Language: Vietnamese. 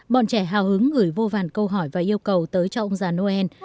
bọn trẻ hào hứng gửi vô vàn câu hỏi và yêu cầu tới cho ông già noel